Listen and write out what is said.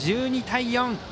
１２対４。